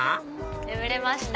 眠れました。